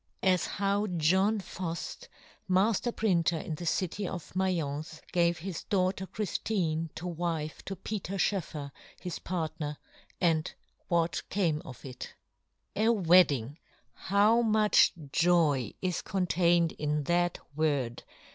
As how "John Fuji, majler printer in the city of Ma'ience, gave his daughter Chrijfine to wife to Peter Schoeffer his partner, and what came of it. WEDDING! how much joy is contained in that word